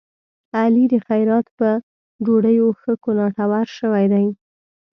علي د خیرات په ډوډيو ښه کوناټور شوی دی.